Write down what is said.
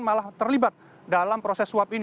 malah terlibat dalam proses swab ini